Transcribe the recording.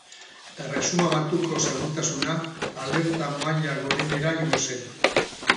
Erresuma Batuko segurtasuna, alerta maila gorenera igo zen.